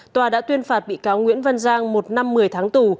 tòa đã tuyên phạt bị cáo nguyễn văn giang một năm một mươi tháng tù